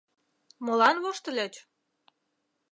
Молан воштыльыч?